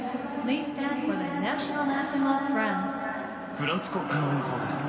フランス国歌の演奏です。